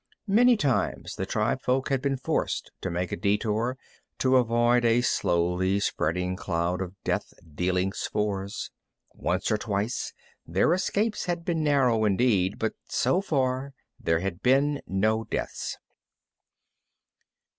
Many times the tribefolk had been forced to make a detour to avoid a slowly spreading cloud of death dealing spores. Once or twice their escapes had been narrow indeed, but so far there had been no deaths.